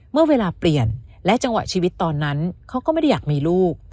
เมื่อเวลาเปลี่ยนและจังหวะชีวิตตอนนั้นเขาก็ไม่ได้อยากมีลูก